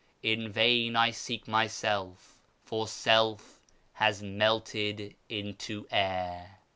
In vain I seek myself, for self has melted into air